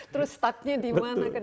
terus startnya di mana kan